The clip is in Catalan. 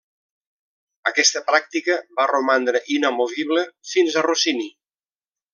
Aquesta pràctica va romandre inamovible fins a Rossini.